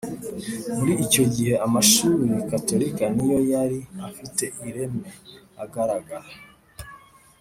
muri icyo gihe amashuri gatolika ni yo yari afite ireme, agaragara.